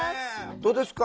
どうですか？